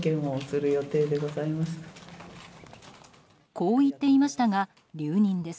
こう言っていましたが留任です。